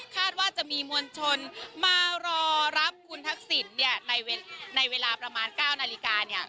ว่าจะมีมวลชนมารอรับคุณทักษิณเนี่ยในเวลาประมาณ๙นาฬิกาเนี่ย